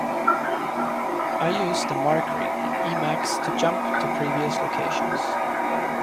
I use the mark ring in Emacs to jump to previous locations.